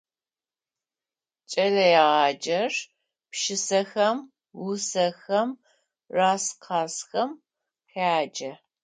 Кӏэлэегъаджэр пшысэхэм, усэхэм, рассказхэм къяджэ.